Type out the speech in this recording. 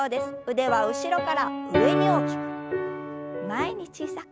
腕は後ろから上に大きく前に小さく。